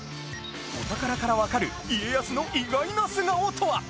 お宝からわかる家康の意外な素顔とは？